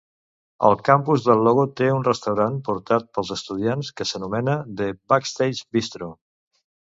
El campus del Loop té un restaurant portat per estudiants que s'anomena "The Backstage Bistro".